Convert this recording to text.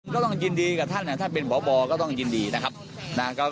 ก็ต้องยินดีกับท่านท่านเป็นพบก็ต้องยินดีนะครับ